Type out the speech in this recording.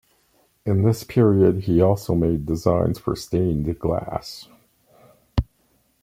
In this period he also made designs for stained glass.